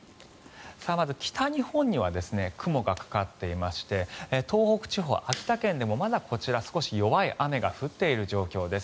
まず、北日本には雲がかかっていまして東北地方、秋田県でもまだ弱い雨が降っている状況です